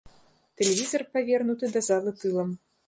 Тэлевізар павернуты да залы тылам.